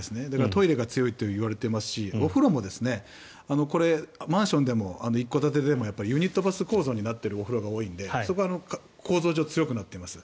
トイレが強いといわれていますしお風呂も、マンションでも一戸建てでもユニットバス構造になっているお風呂が多いのでそこは構造上強くなっています。